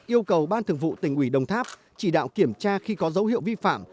yêu cầu ban thường vụ tỉnh ủy đồng tháp chỉ đạo kiểm tra khi có dấu hiệu vi phạm